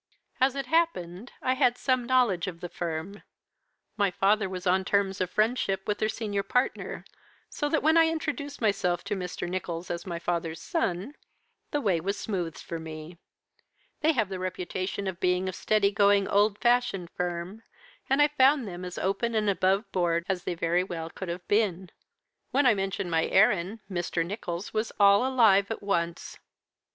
"As it happened, I had some knowledge of the firm. My father was on terms of friendship with their senior partner, so that when I introduced myself to Mr. Nicholls as my father's son, the way was smoothed for me. They have the reputation of being a steady going, old fashioned firm, and I found them as open and above board as they very well could have been. When I mentioned my errand, Mr. Nicholls was all alive at once."